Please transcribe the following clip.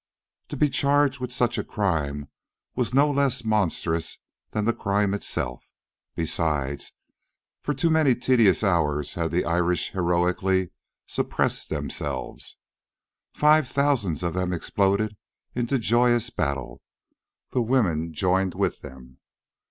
To be charged with such a crime was no less monstrous than the crime itself. Besides, for too many tedious hours had the Irish heroically suppressed themselves. Five thousands of them exploded into joyous battle. The women joined with them.